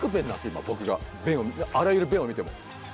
今僕があらゆる便を見ても。